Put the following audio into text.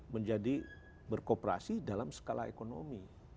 menjadi berkooperasi dalam skala ekonomi